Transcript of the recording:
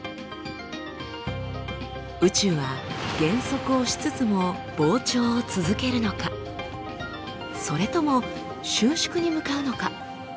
宇宙は減速をしつつも膨張を続けるのかそれとも収縮に向かうのか。